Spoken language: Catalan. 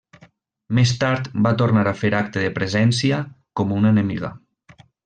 Més tard va tornar a fer acte de presència com una enemiga.